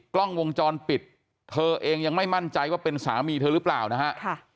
กล้องวงจรปิดเธอเองยังไม่มั่นใจว่าเป็นสามีเธอหรือเปล่านะฮะ